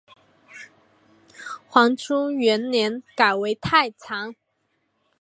黄初元年改为太常。